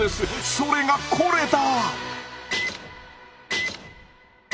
それがこれだ！